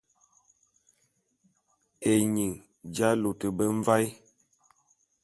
Ényin j'alôte be mvaé.